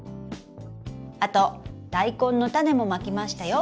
あとダイコンのタネもまきましたよ。